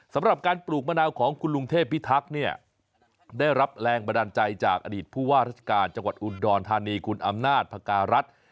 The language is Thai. สำหรับการปลูกมะนาวของคุณลุงเทพิทักษ์เนี่ยได้รับแรงบันดาลใจจากอดีตผู้ว่าราชการจังหวัดอุดรธานีคุณอำนาจพการัฐ